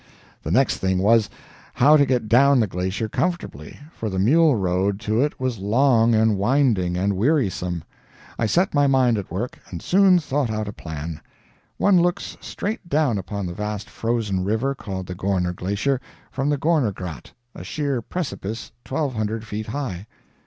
The next thing was, how to get down the glacier comfortably for the mule road to it was long, and winding, and wearisome. I set my mind at work, and soon thought out a plan. One looks straight down upon the vast frozen river called the Gorner Glacier, from the Gorner Grat, a sheer precipice twelve hundred feet high.